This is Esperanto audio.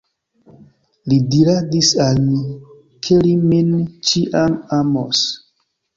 Li diradis al mi, ke li min ĉiam amos.